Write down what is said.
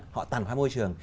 họ tàn phá môi trường